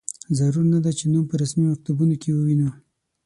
ضرور نه ده چې نوم په رسمي مکتوبونو کې ووینو.